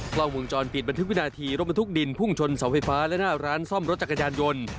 กล้องวงจรปิดบันทึกวินาทีรถบรรทุกดินพุ่งชนเสาไฟฟ้าและหน้าร้านซ่อมรถจักรยานยนต์